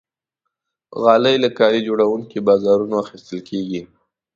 غالۍ له کالي جوړونکي بازارونو اخیستل کېږي.